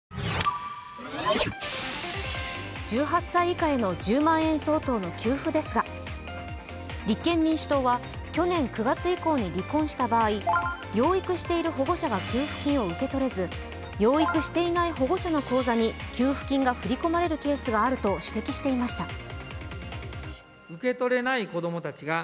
１８歳以下への１０万円相当の給付ですが、立憲民主党は去年９月以降に離婚した場合、養育している保護者が給付金を受け取れず、養育していない保護者の口座に、給付金が振り込まれるケースがあると指摘していました。